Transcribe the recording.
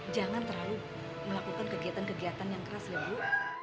jangan terlalu melakukan kegiatan kegiatan yang keras ya bu